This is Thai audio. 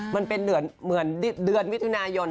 มันเป็นเหมือนเดือนมิถุนายน